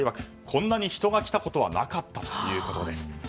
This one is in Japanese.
こんなに人が来たことはなかったということです。